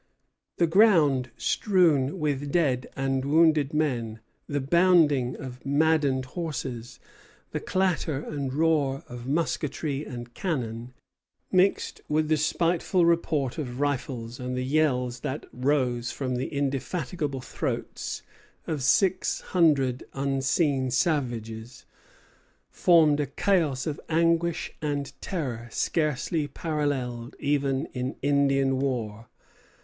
The ground, strewn with dead and wounded men, the bounding of maddened horses, the clatter and roar of musketry and cannon, mixed with the spiteful report of rifles and the yells that rose from the indefatigable throats of six hundred unseen savages, formed a chaos of anguish and terror scarcely paralleled even in Indian war.